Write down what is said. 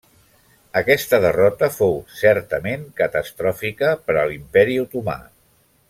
Aquesta derrota fou certament catastròfica per a l'Imperi otomà.